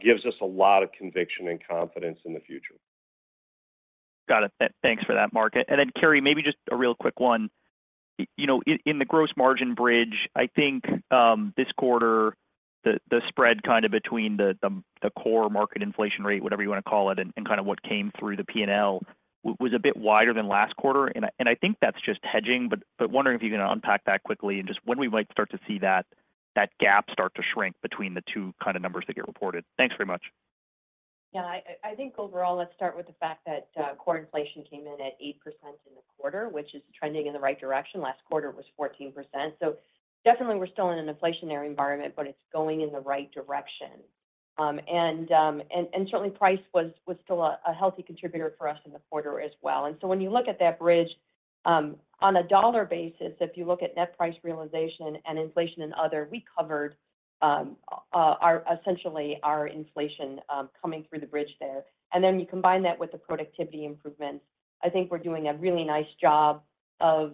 gives us a lot of conviction and confidence in the future. Got it. Thanks for that, Mark. Carrie, maybe just a real quick one. You know, in the gross margin bridge, I think, this quarter the spread kind of between the core market inflation rate, whatever you wanna call it, and kind of what came through the P&L, was a bit wider than last quarter. I think that's just hedging, but wondering if you can unpack that quickly and just when we might start to see that gap start to shrink between the two kind of numbers that get reported. Thanks very much. Yeah, I think overall, let's start with the fact that core inflation came in at 8% in the quarter, which is trending in the right direction. Last quarter, it was 14%. Definitely we're still in an inflationary environment, but it's going in the right direction. Certainly price was still a healthy contributor for us in the quarter as well. When you look at that bridge, on a dollar basis, if you look at net price realization and inflation and other, we covered essentially our inflation coming through the bridge there. You combine that with the productivity improvements. I think we're doing a really nice job of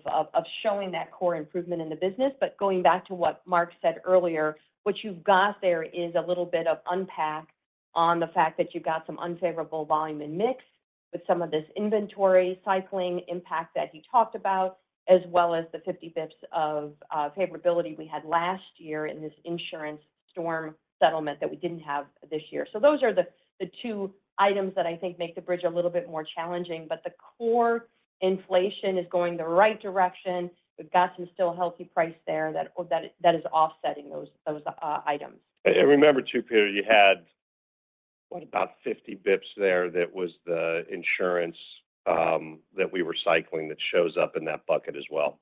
showing that core improvement in the business. Going back to what Mark said earlier, what you've got there is a little bit of unpack on the fact that you've got some unfavorable volume and mix with some of this inventory cycling impact that he talked about, as well as the 50 bps of favorability we had last year in this insurance storm settlement that we didn't have this year. Those are the two items that I think make the bridge a little bit more challenging. The core inflation is going the right direction. We've got some still healthy price there that is offsetting those items. Remember, too, Peter, you had, what, about 50 basis points there that was the insurance that we were cycling that shows up in that bucket as well.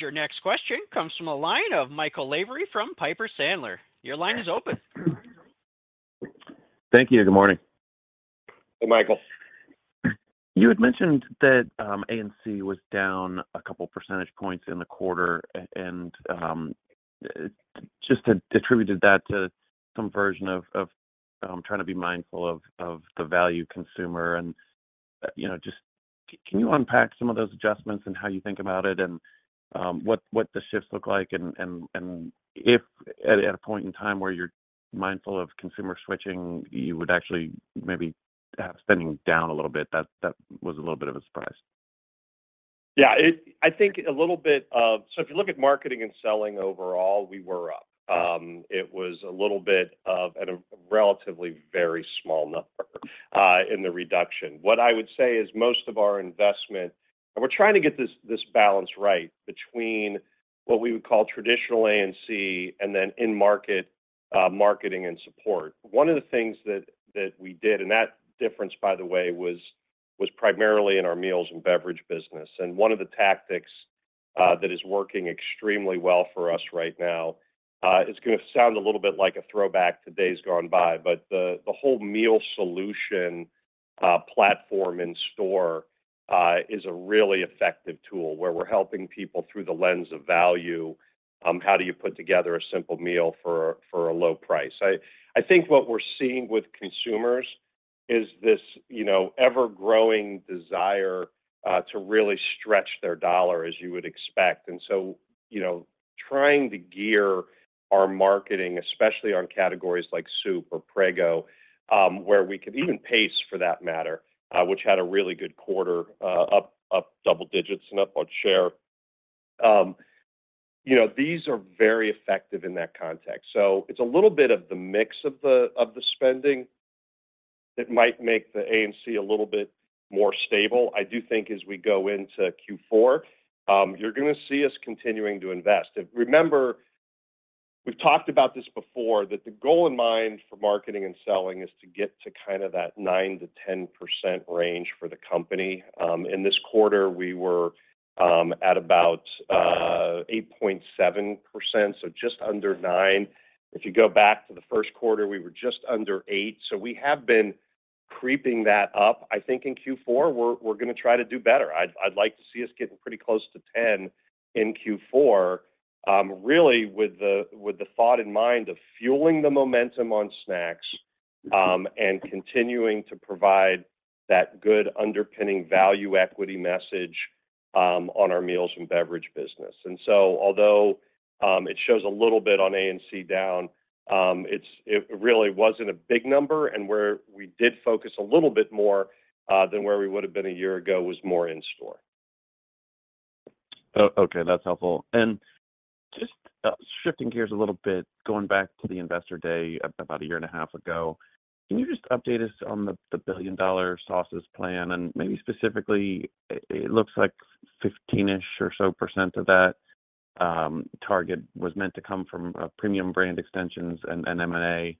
Your next question comes from the line of Michael Lavery from Piper Sandler. Your line is open. Thank you. Good morning. Hey, Michael. You had mentioned that, A&C was down 2 percentage points in the quarter, and just had attributed that to some version of trying to be mindful of the value consumer. You know, just can you unpack some of those adjustments and how you think about it and what the shifts look like? And if at a point in time where you're mindful of consumer switching, you would actually maybe have spending down a little bit, that was a little bit of a surprise. I think a little bit of. If you look at marketing and selling overall, we were up. It was a little bit of at a relatively very small number in the reduction. What I would say is most of our investment, and we're trying to get this balance right between what we would call traditional A&C and then in-market marketing and support. One of the things that we did, and that difference, by the way, was primarily in our meals and beverage business. One of the tactics that is working extremely well for us right now is gonna sound a little bit like a throwback to days gone by, but the whole meal solution platform in store is a really effective tool, where we're helping people through the lens of value, how do you put together a simple meal for a low price. I think what we're seeing with consumers is this, you know, ever-growing desire to really stretch their dollar, as you would expect. You know, trying to gear our marketing, especially on categories like soup or Prego, where we could even Pace, for that matter, which had a really good quarter, up double digits and up on share. You know, these are very effective in that context. It's a little bit of the mix of the, of the spending that might make the A&C a little bit more stable. I do think as we go into Q4, you're gonna see us continuing to invest. Remember, we've talked about this before, that the goal in mind for marketing and selling is to get to kind of that 9%-10% range for the company. In this quarter, we were at about 8.7%, so just under 9. If you go back to the first quarter, we were just under 8, so we have been creeping that up. I think in Q4, we're gonna try to do better. I'd like to see us getting pretty close to 10 in Q4, really with the, with the thought in mind of fueling the momentum on snacks, and continuing to provide that good underpinning value equity message, on our meals and beverage business. Although, it shows a little bit on A&C down, it really wasn't a big number. Where we did focus a little bit more, than where we would have been a year ago, was more in-store. Okay, that's helpful. Just shifting gears a little bit, going back to the Investor Day, about a year and a half ago, can you just update us on the billion-dollar sauces plan? Maybe specifically, it looks like 15-ish or so % of that target was meant to come from premium brand extensions and M&A,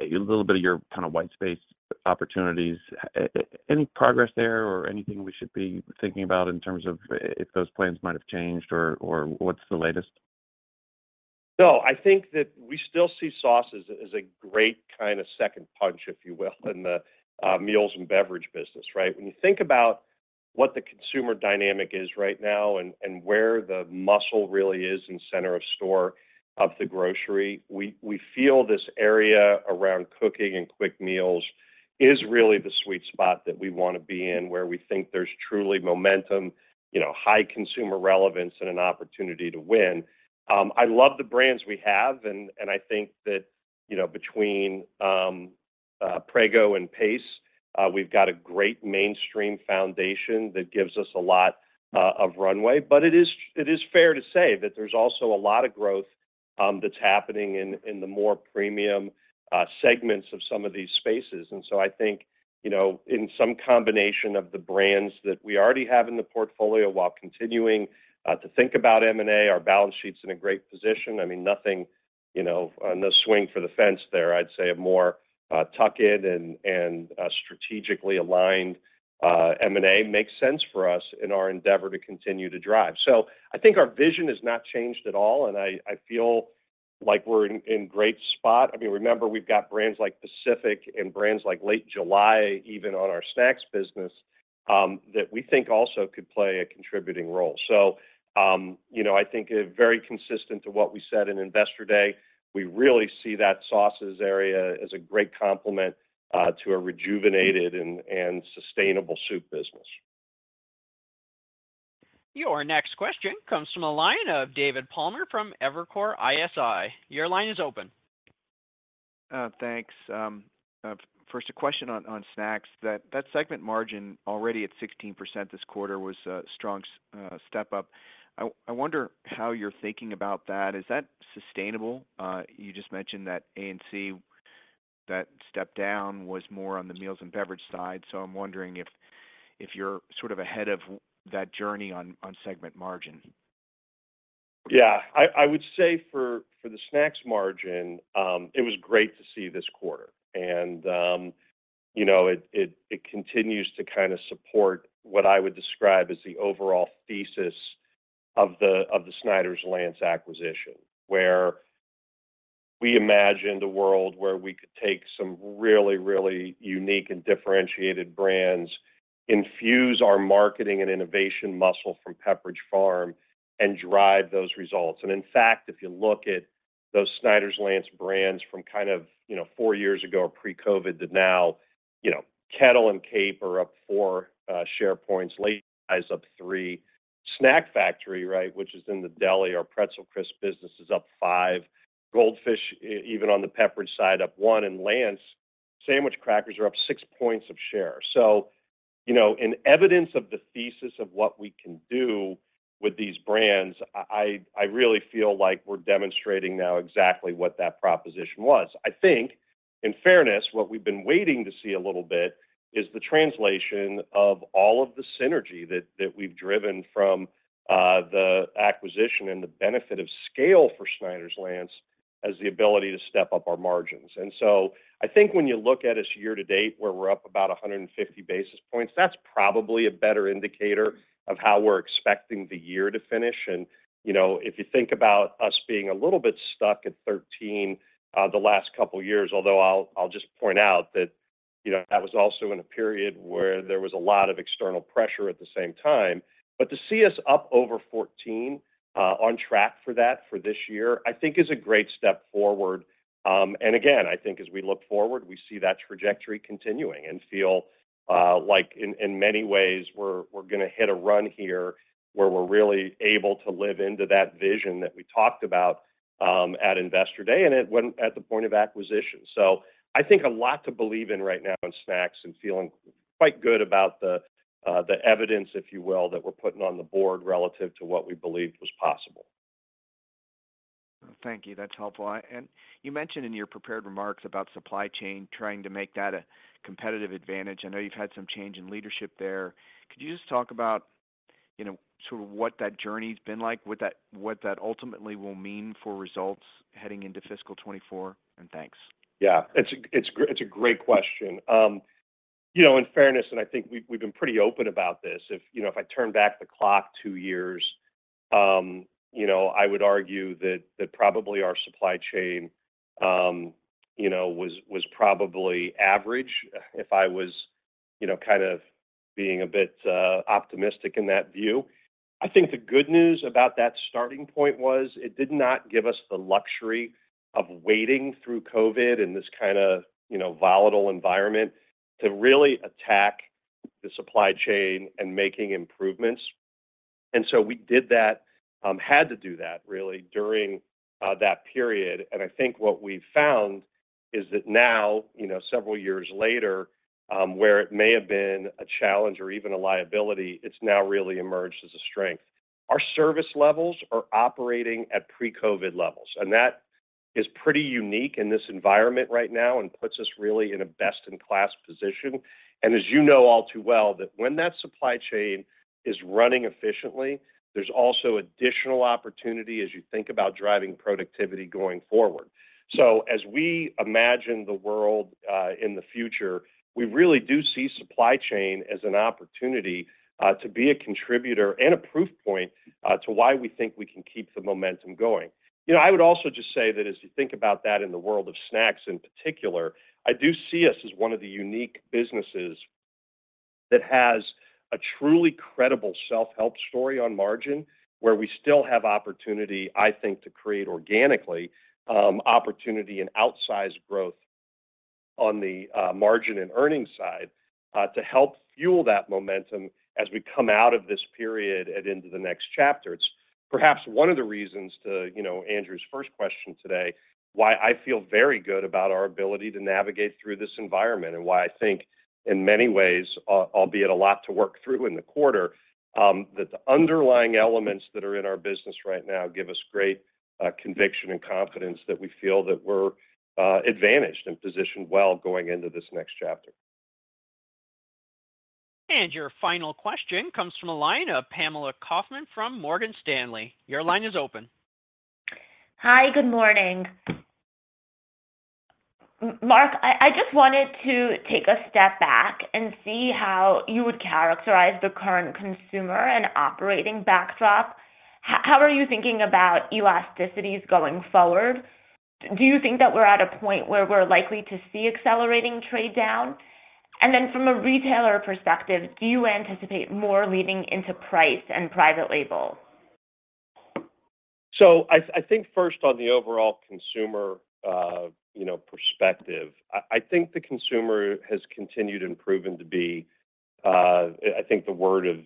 a little bit of your kind of white space opportunities. Any progress there or anything we should be thinking about in terms of if those plans might have changed or what's the latest? No, I think that we still see sauces as a great kind of second punch, if you will, in the meals and beverage business, right? When you think about what the consumer dynamic is right now and where the muscle really is in center of store of the grocery, we feel this area around cooking and quick meals is really the sweet spot that we want to be in, where we think there's truly momentum, you know, high consumer relevance, and an opportunity to win. I love the brands we have, and I think that, you know, between Prego and Pace, we've got a great mainstream foundation that gives us a lot of runway. It is fair to say that there's also a lot of growth that's happening in the more premium segments of some of these spaces. I think, you know, in some combination of the brands that we already have in the portfolio, while continuing to think about M&A, our balance sheet's in a great position. I mean, nothing, you know, on the swing for the fence there. I'd say a more tuck in and strategically aligned M&A makes sense for us in our endeavor to continue to drive. I think our vision has not changed at all, and I feel like we're in great spot. I mean, remember, we've got brands like Pacific and brands like Late July, even on our snacks business, that we think also could play a contributing role. you know, I think very consistent to what we said in Investor Day, we really see that sauces area as a great complement to a rejuvenated and sustainable soup business. Your next question comes from a line of David Palmer from Evercore ISI. Your line is open. Thanks. First, a question on snacks. That segment margin already at 16% this quarter was a strong step up. I wonder how you're thinking about that. Is that sustainable? You just mentioned that A&C, that step down was more on the meals and beverage side. I'm wondering if you're sort of ahead of that journey on segment margin. Yeah. I would say for the snacks margin, it was great to see this quarter, and, you know, it continues to kinda support what I would describe as the overall thesis of the Snyder's-Lance acquisition, where we imagined a world where we could take some really, really unique and differentiated brands, infuse our marketing and innovation muscle from Pepperidge Farm and drive those results. In fact, if you look at those Snyder's-Lance brands from kind of, you know, four years ago or pre-COVID to now, you know, Kettle and Cape are up 4 share points, Late is up 3. Snack Factory, right, which is in the deli, our pretzel crisp business is up 5. Goldfish, even on the Pepperidge side, up 1, and Lance sandwich crackers are up 6 points of share. You know, in evidence of the thesis of what we can do with these brands, I really feel like we're demonstrating now exactly what that proposition was. I think, in fairness, what we've been waiting to see a little bit is the translation of all of the synergy that we've driven from the acquisition and the benefit of scale for Snyder's-Lance as the ability to step up our margins. I think when you look at us year to date, where we're up about 150 basis points, that's probably a better indicator of how we're expecting the year to finish. You know, if you think about us being a little bit stuck at 13, the last couple of years, although I'll just point out that, you know, that was also in a period where there was a lot of external pressure at the same time. To see us up over 14, on track for that for this year, I think is a great step forward. Again, I think as we look forward, we see that trajectory continuing and feel, like in many ways, we're gonna hit a run here, where we're really able to live into that vision that we talked about, at Investor Day and at the point of acquisition. I think a lot to believe in right now in snacks and feeling quite good about the evidence, if you will, that we're putting on the board relative to what we believed was possible. Thank you. That's helpful. You mentioned in your prepared remarks about supply chain, trying to make that a competitive advantage. I know you've had some change in leadership there. Could you just talk about, you know, sort of what that journey's been like, what that ultimately will mean for results heading into fiscal 2024? Thanks. Yeah, it's a great question. You know, in fairness, and I think we've been pretty open about this. If, you know, if I turn back the clock two years, you know, I would argue that probably our supply chain, you know, was probably average. If I was, you know, kind of being a bit optimistic in that view. I think the good news about that starting point was it did not give us the luxury of waiting through COVID in this kinda, you know, volatile environment to really attack the supply chain and making improvements. We did that, had to do that really during that period. I think what we've found is that now, you know, several years later, where it may have been a challenge or even a liability, it's now really emerged as a strength. Our service levels are operating at pre-COVID levels. That is pretty unique in this environment right now and puts us really in a best-in-class position. As you know all too well, that when that supply chain is running efficiently, there's also additional opportunity as you think about driving productivity going forward. As we imagine the world in the future, we really do see supply chain as an opportunity to be a contributor and a proof point to why we think we can keep the momentum going. You know, I would also just say that as you think about that in the world of snacks in particular, I do see us as one of the unique businesses that has a truly credible self-help story on margin, where we still have opportunity, I think, to create organically, opportunity and outsized growth on the margin and earnings side, to help fuel that momentum as we come out of this period and into the next chapter. perhaps one of the reasons to, you know, Andrew's first question today, why I feel very good about our ability to navigate through this environment, and why I think in many ways, albeit a lot to work through in the quarter, that the underlying elements that are in our business right now give us great conviction and confidence that we feel that we're advantaged and positioned well going into this next chapter. Your final question comes from the line of Pamela Kaufman from Morgan Stanley. Your line is open. Hi, good morning. Mark, I just wanted to take a step back and see how you would characterize the current consumer and operating backdrop. How are you thinking about elasticities going forward? Do you think that we're at a point where we're likely to see accelerating trade down? From a retailer perspective, do you anticipate more leaning into price and private label? I think first on the overall consumer, you know, perspective, I think the consumer has continued and proven to be, I think the word of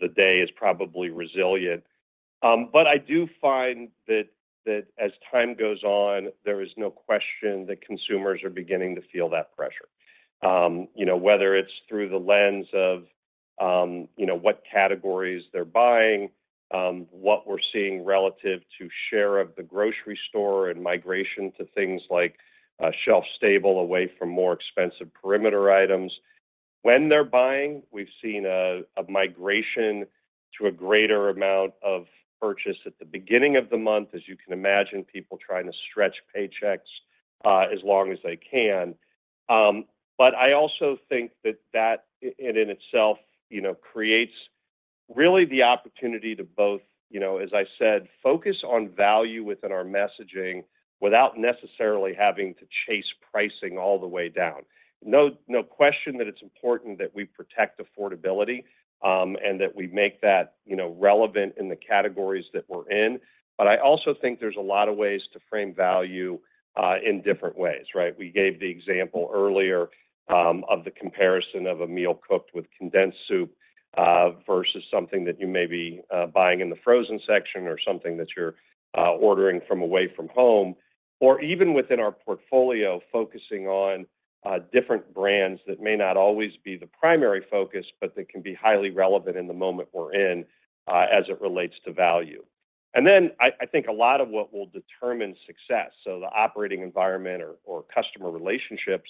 the day is probably resilient. I do find that as time goes on, there is no question that consumers are beginning to feel that pressure. You know, whether it's through the lens of, you know, what categories they're buying, what we're seeing relative to share of the grocery store and migration to things like shelf stable away from more expensive perimeter items. When they're buying, we've seen a migration to a greater amount of purchase at the beginning of the month, as you can imagine, people trying to stretch paychecks as long as they can. I also think that in itself, you know, creates really the opportunity to both, you know, as I said, focus on value within our messaging without necessarily having to chase pricing all the way down. No question that it's important that we protect affordability, and that we make that, you know, relevant in the categories that we're in. I also think there's a lot of ways to frame value in different ways, right? We gave the example earlier, of the comparison of a meal cooked with condensed soup, versus something that you may be, buying in the frozen section or something that you're, ordering from away from home, or even within our portfolio, focusing on, different brands that may not always be the primary focus, but that can be highly relevant in the moment we're in, as it relates to value. I think a lot of what will determine success, so the operating environment or customer relationships,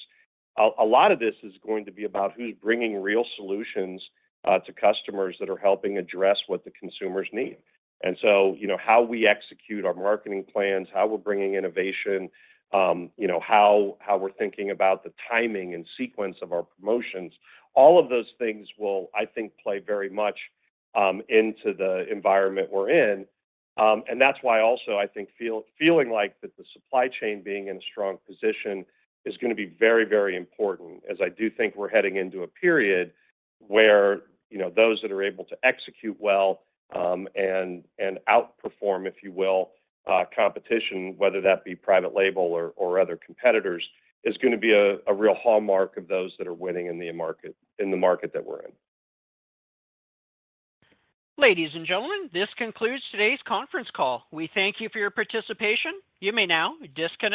a lot of this is going to be about who's bringing real solutions, to customers that are helping address what the consumers need. you know, how we execute our marketing plans, how we're bringing innovation, you know, how we're thinking about the timing and sequence of our promotions, all of those things will, I think, play very much, into the environment we're in. And that's why also I think, feeling like that the supply chain being in a strong position is gonna be very, very important, as I do think we're heading into a period where, you know, those that are able to execute well, and outperform, if you will, competition, whether that be private label or other competitors, is gonna be a real hallmark of those that are winning in the market that we're in. Ladies and gentlemen, this concludes today's conference call. We thank you for your participation. You may now disconnect.